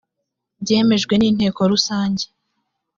byemejwe n inteko rusange